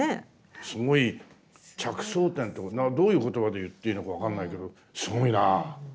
すごい着想点というかどういう言葉で言っていいのか分かんないけどすごいなぁ！